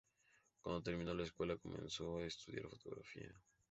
Cuando terminó la escuela comenzó a estudiar fotografía.